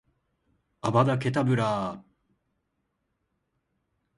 アバダ・ケタブラぁ！！！